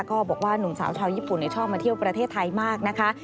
ก็บอกว่าหนุ่มสาวชาวญี่ปุ่นชอบมาเที่ยวประเทศไทยมากนะคะ